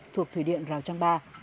thuộc thủy điện rào trăng ba